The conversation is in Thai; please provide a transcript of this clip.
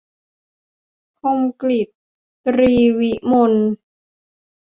คมกฤษ ตรีวิมล